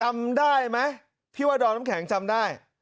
จำได้ไหมพี่ว่าดอมน้ำแข็งจำได้